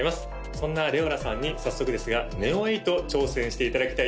そんなＬｅｏｌａさんに早速ですがＮＥＯ８挑戦していただきたいと思います